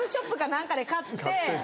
なんかで買って。